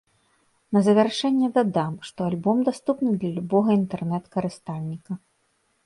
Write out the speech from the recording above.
На завяршэнне дадам, што альбом даступны для любога інтэрнэт-карыстальніка.